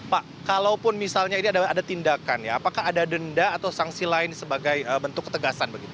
pak kalaupun misalnya ini ada tindakan ya apakah ada denda atau sanksi lain sebagai bentuk ketegasan begitu